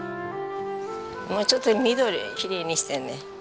もうちょっと緑きれいにしてね。